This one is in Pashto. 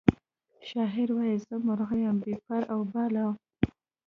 شاعر وایی زه مرغه یم بې پر او باله